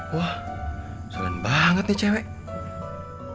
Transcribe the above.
wah seneng banget nih cewek